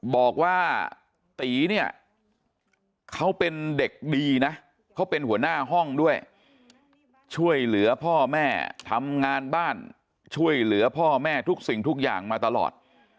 บอกว่าตีเนี่ยเขาเป็นเด็กดีนะเขาเป็นหัวหน้าห้องด้วยช่วยเหลือพ่อแม่ทำงานบ้านช่วยเหลือพ่อแม่ทุกสิ่งทุกอย่างมาตลอด